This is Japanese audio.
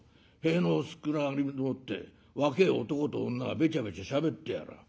塀の薄暗がりでもって若え男と女がべちゃべちゃしゃべってやらぁ。